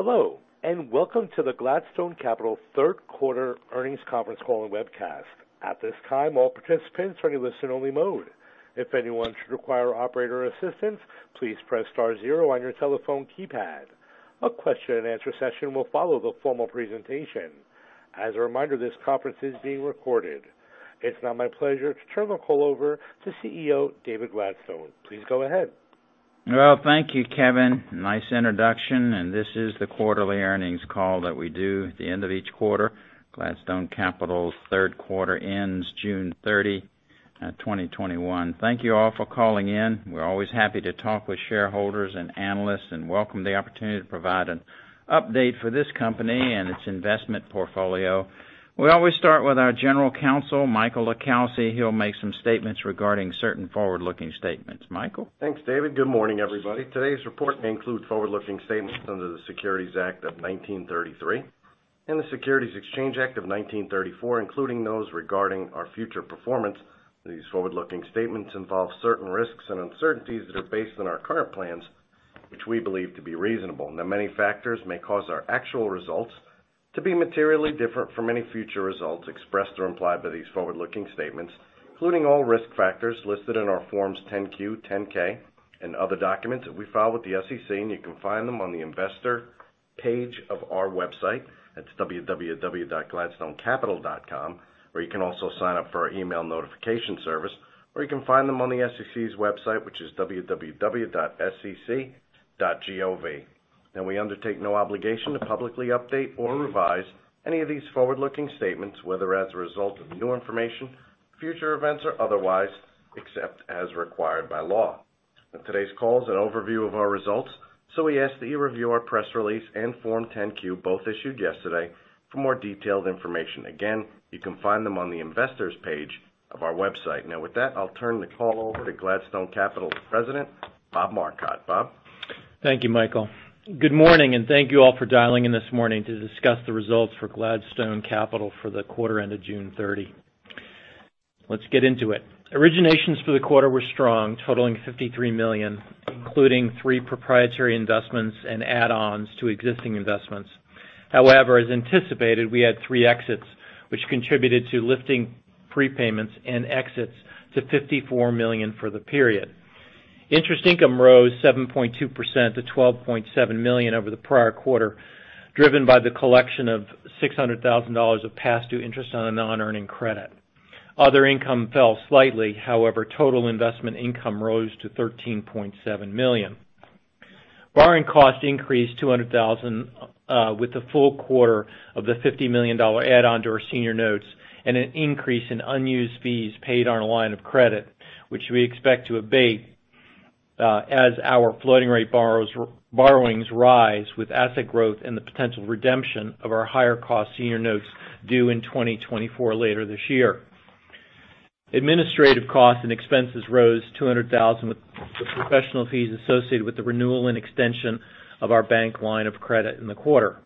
Hello, and welcome to the Gladstone Capital third quarter earnings conference call and webcast. At this time, all participants are in listen only mode. If anyone should require operator assistance, please press star zero on your telephone keypad. A question and answer session will follow the formal presentation. As a reminder, this conference is being recorded. It's now my pleasure to turn the call over to CEO, David Gladstone. Please go ahead. Well, thank you, Kevin. Nice introduction. This is the quarterly earnings call that we do at the end of each quarter. Gladstone Capital's third quarter ends June 30, 2021. Thank you all for calling in. We're always happy to talk with shareholders and analysts, and welcome the opportunity to provide an update for this company and its investment portfolio. We always start with our general counsel, Michael LiCalsi. He'll make some statements regarding certain forward-looking statements. Michael? Thanks, David. Good morning, everybody. Today's report includes forward-looking statements under the Securities Act of 1933 and the Securities Exchange Act of 1934, including those regarding our future performance. These forward-looking statements involve certain risks and uncertainties that are based on our current plans, which we believe to be reasonable. Many factors may cause our actual results to be materially different from any future results expressed or implied by these forward-looking statements, including all risk factors listed in our Forms 10-Q, 10-K and other documents that we file with the SEC, and you can find them on the investor page of our website. That's www.gladstonecapital.com, where you can also sign up for our email notification service, or you can find them on the SEC's website, which is www.sec.gov. Now we undertake no obligation to publicly update or revise any of these forward-looking statements, whether as a result of new information, future events, or otherwise, except as required by law. Now today's call is an overview of our results, so we ask that you review our press release and Form 10-Q, both issued yesterday, for more detailed information. Again, you can find them on the investors page of our website. Now with that, I'll turn the call over to Gladstone Capital's president, Bob Marcotte. Bob? Thank you, Michael. Good morning, and thank you all for dialing in this morning to discuss the results for Gladstone Capital for the quarter end of June 30. Let's get into it. Originations for the quarter were strong, totaling $53 million, including three proprietary investments and add-ons to existing investments. However, as anticipated, we had three exits, which contributed to lifting prepayments and exits to $54 million for the period. Interest income rose 7.2% to $12.7 million over the prior quarter, driven by the collection of $600,000 of past due interest on a non-earning credit. Other income fell slightly. However, total investment income rose to $13.7 million. Borrowing costs increased to $100,000, with the full quarter of the $50 million add-on to our senior notes and an increase in unused fees paid on our line of credit, which we expect to abate as our floating rate borrowings rise with asset growth and the potential redemption of our higher cost senior notes due in 2024, later this year. Administrative costs and expenses rose $200,000 with the professional fees associated with the renewal and extension of our bank line of credit in the quarter.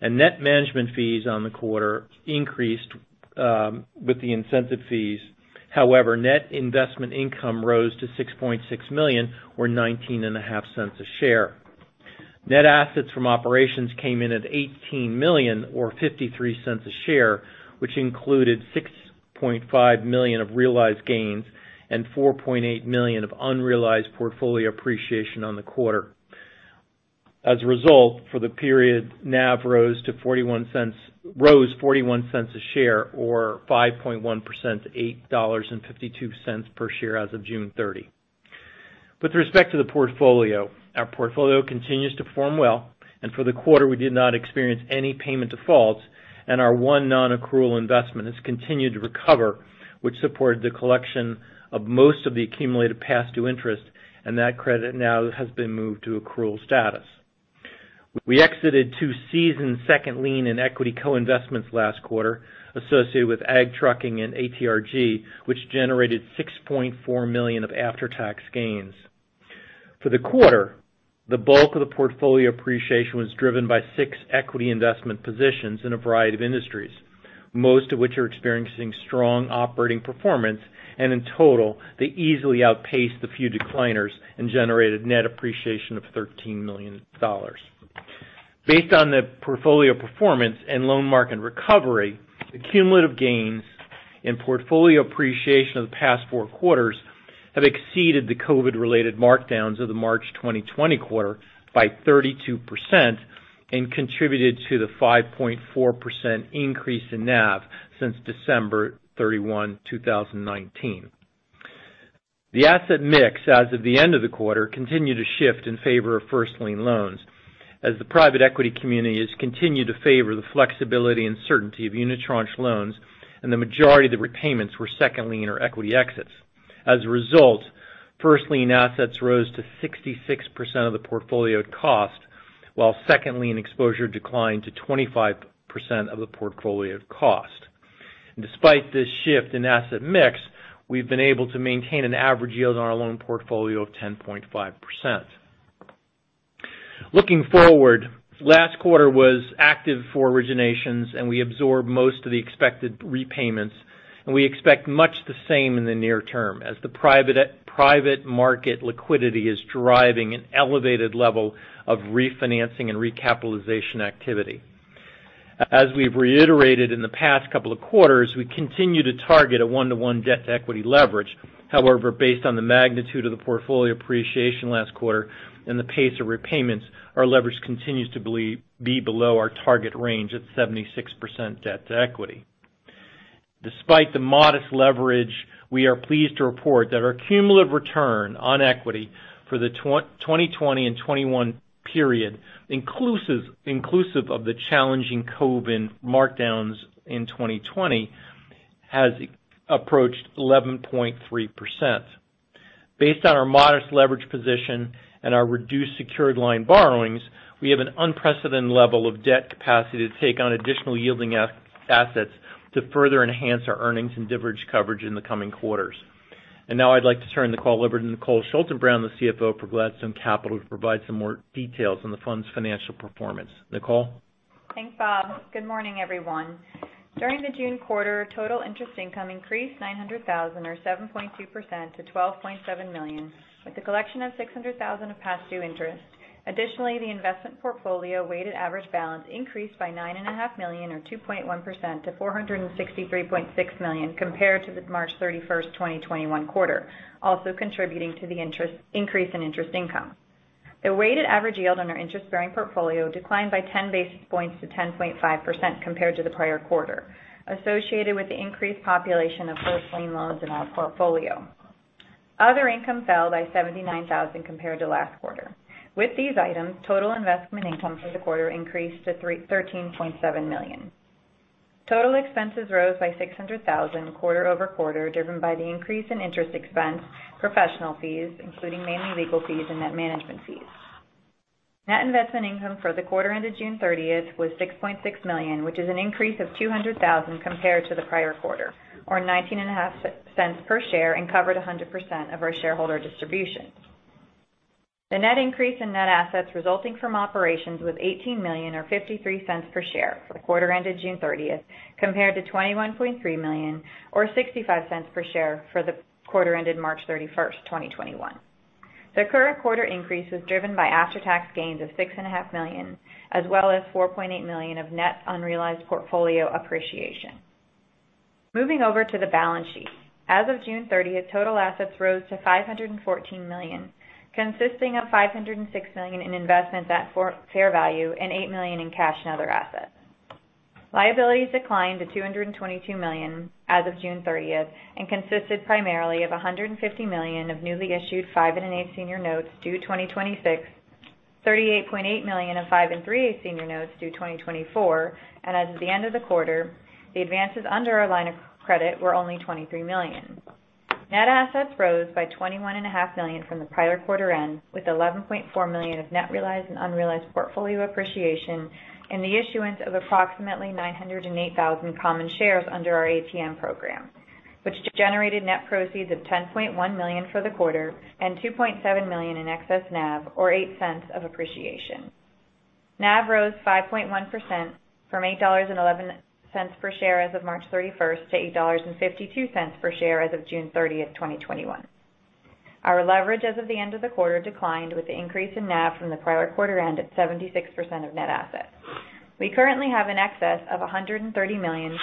Net management fees on the quarter increased with the incentive fees. However, net investment income rose to $6.6 million or $0.195 a share. Net assets from operations came in at $18 million or $0.53 a share, which included $6.5 million of realized gains and $4.8 million of unrealized portfolio appreciation on the quarter. As a result, for the period, NAV rose $0.41 a share, or 5.1% to $8.52 per share as of June 30. With respect to the portfolio, our portfolio continues to perform well. For the quarter, we did not experience any payment defaults. Our one non-accrual investment has continued to recover, which supported the collection of most of the accumulated past due interest. That credit now has been moved to accrual status. We exited two seasoned second lien and equity co-investments last quarter associated with AG Trucking and ATRG, which generated $6.4 million of after-tax gains. For the quarter, the bulk of the portfolio appreciation was driven by six equity investment positions in a variety of industries, most of which are experiencing strong operating performance. In total, they easily outpaced the few decliners and generated net appreciation of $13 million. Based on the portfolio performance and loan market recovery, the cumulative gains and portfolio appreciation of the past four quarters have exceeded the COVID related markdowns of the March 2020 quarter by 32% and contributed to the 5.4% increase in NAV since December 31, 2019. The asset mix as of the end of the quarter continued to shift in favor of first lien loans as the private equity community has continued to favor the flexibility and certainty of unitranche loans, and the majority of the repayments were second lien or equity exits. As a result, first lien assets rose to 66% of the portfolio at cost, while second lien exposure declined to 25% of the portfolio at cost. Despite this shift in asset mix, we've been able to maintain an average yield on our loan portfolio of 10.5%. Looking forward, last quarter was active for originations, and we absorbed most of the expected repayments. We expect much the same in the near term as the private market liquidity is driving an elevated level of refinancing and recapitalization activity. As we've reiterated in the past couple of quarters, we continue to target a one-to-one debt-to-equity leverage. However, based on the magnitude of the portfolio appreciation last quarter and the pace of repayments, our leverage continues to be below our target range at 76% debt-to-equity. Despite the modest leverage, we are pleased to report that our cumulative return on equity for the 2020 and 2021 period, inclusive of the challenging COVID markdowns in 2020, has approached 11.3%. Based on our modest leverage position and our reduced secured line borrowings, we have an unprecedented level of debt capacity to take on additional yielding assets to further enhance our earnings and coverage in the coming quarters. Now I'd like to turn the call over to Nicole Schaltenbrand, the CFO for Gladstone Capital, to provide some more details on the fund's financial performance. Nicole? Thanks, Bob. Good morning, everyone. During the June quarter, total interest income increased $900,000, or 7.2%, to $12.7 million, with the collection of $600,000 of past due interest. Additionally, the investment portfolio weighted average balance increased by $9.5 million, or 2.1%, to $463.6 million compared to the March 31st, 2021 quarter, also contributing to the increase in interest income. The weighted average yield on our interest-bearing portfolio declined by 10 basis points to 10.5% compared to the prior quarter, associated with the increased population of first lien loans in our portfolio. Other income fell by $79,000 compared to last quarter. With these items, total investment income for the quarter increased to $13.7 million. Total expenses rose by $600,000 quarter-over-quarter, driven by the increase in interest expense, professional fees, including mainly legal fees and net management fees. Net investment income for the quarter ended June 30th was $6.6 million, which is an increase of $200,000 compared to the prior quarter, or $0.195 per share and covered 100% of our shareholder distribution. The net increase in net assets resulting from operations was $18 million, or $0.53 per share for the quarter ended June 30th, compared to $21.3 million or $0.65 per share for the quarter ended March 31st, 2021. The current quarter increase is driven by after-tax gains of $6.5 million as well as $4.8 million of net unrealized portfolio appreciation. Moving over to the balance sheet. As of June 30th, total assets rose to $514 million, consisting of $506 million in investment at fair value and $8 million in cash and other assets. Liabilities declined to $222 million as of June 30th and consisted primarily of $150 million of newly issued 5.125% senior notes due 2026, $38.8 million of 5.375% senior notes due 2024, and as of the end of the quarter, the advances under our line of credit were only $23 million. Net assets rose by $21.5 million from the prior quarter end, with $11.4 million of net realized and unrealized portfolio appreciation and the issuance of approximately 908,000 common shares under our ATM program, which generated net proceeds of $10.1 million for the quarter and $2.7 million in excess NAV, or $0.08 of appreciation. NAV rose 5.1% from $8.11 per share as of March 31st to $8.52 per share as of June 30th, 2021. Our leverage as of the end of the quarter declined with the increase in NAV from the prior quarter end at 76% of net assets. We currently have an excess of $130 million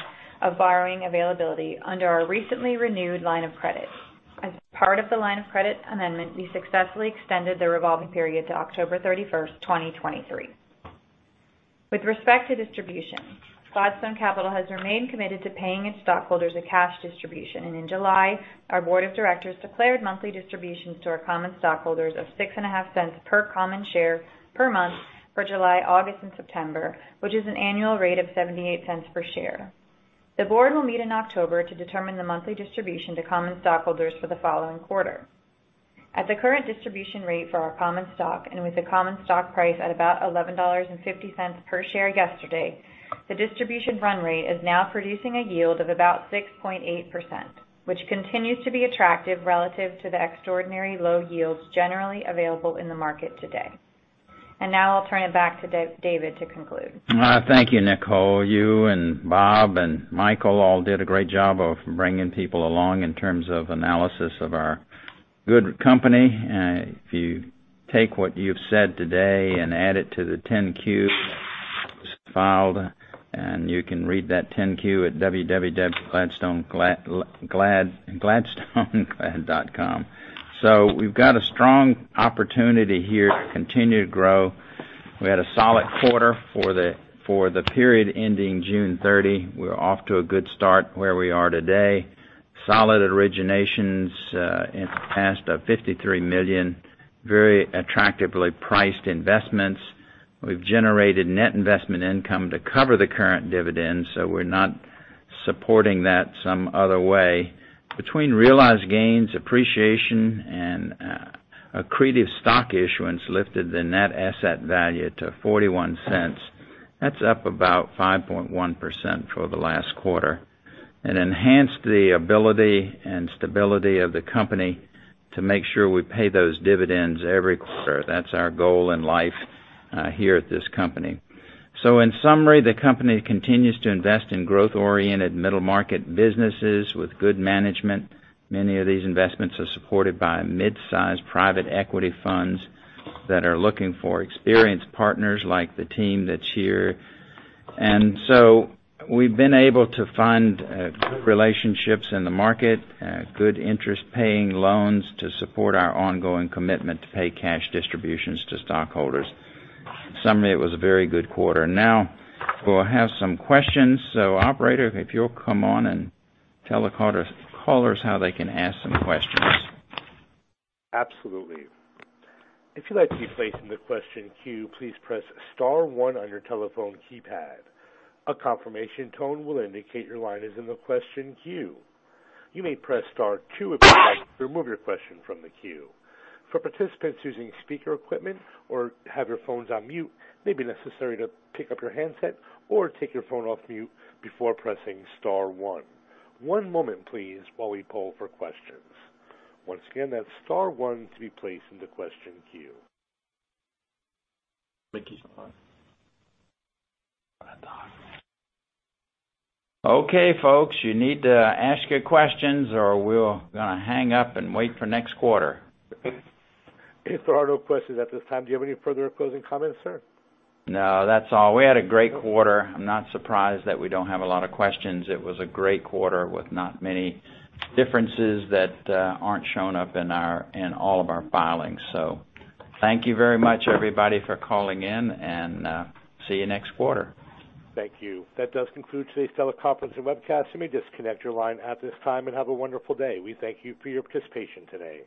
of borrowing availability under our recently renewed line of credit. As part of the line of credit amendment, we successfully extended the revolving period to October 31st, 2023. With respect to distribution, Gladstone Capital has remained committed to paying its stockholders a cash distribution, and in July, our board of directors declared monthly distributions to our common stockholders of $0.065 per common share per month for July, August, and September, which is an annual rate of $0.78 per share. The board will meet in October to determine the monthly distribution to common stockholders for the following quarter. At the current distribution rate for our common stock and with the common stock price at about $11.50 per share yesterday, the distribution run rate is now producing a yield of about 6.8%, which continues to be attractive relative to the extraordinary low yields generally available in the market today. Now I'll turn it back to David to conclude. Thank you, Nicole. You and Bob and Michael all did a great job of bringing people along in terms of analysis of our good company. If you take what you've said today and add it to the 10-Q filed, you can read that 10-Q at www.gladstonecapital.com. We've got a strong opportunity here to continue to grow. We had a solid quarter for the period ending June 30. We're off to a good start where we are today. Solid originations in excess of $53 million, very attractively priced investments. We've generated net investment income to cover the current dividends, we're not supporting that some other way. Between realized gains, appreciation, and accretive stock issuance lifted the net asset value to $0.41 That's up about 5.1% for the last quarter and enhanced the ability and stability of the company to make sure we pay those dividends every quarter. That's our goal in life here at this company. In summary, the company continues to invest in growth-oriented middle-market businesses with good management. Many of these investments are supported by mid-size private equity funds that are looking for experienced partners like the team that's here. We've been able to find good relationships in the market, good interest-paying loans to support our ongoing commitment to pay cash distributions to stockholders. In summary, it was a very good quarter. We'll have some questions. Operator, if you'll come on and tell the callers how they can ask some questions. Absolutely. If you'd like to be placed in the question queue, please press star one on your telephone keypad. A confirmation tone will indicate your line is in the question queue. You may press star two if you'd like to remove your question from the queue. For participants using speaker equipment or have your phones on mute, it may be necessary to pick up your handset or take your phone off mute before pressing star one. One moment please while we poll for questions. Once again, that's star one to be placed in the question queue. Okay, folks, you need to ask your questions or we're going to hang up and wait for next quarter. If there are no questions at this time, do you have any further closing comments, sir? No, that's all. We had a great quarter. I'm not surprised that we don't have a lot of questions. It was a great quarter with not many differences that aren't shown up in all of our filings. Thank you very much, everybody, for calling in and see you next quarter. Thank you. That does conclude today's teleconference and webcast. You may disconnect your line at this time, and have a wonderful day. We thank you for your participation today.